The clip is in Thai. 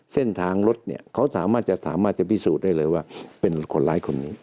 เส้นทางรถเขาสามารถจะพิสูจน์ได้เลยว่าเป็นคนร้ายคนนี้